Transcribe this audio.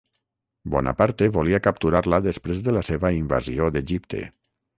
Bonaparte volia capturar-la després de la seva invasió d'Egipte.